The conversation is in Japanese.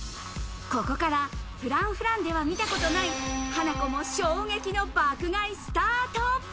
ここからＦｒａｎｃｆｒａｎｃでは見たことない、ハナコも衝撃の爆買いスタート。